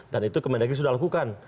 dan itu kemenangnya sudah lakukan